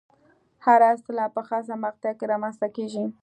هره اصطلاح په خاصه مقطع کې رامنځته کېږي.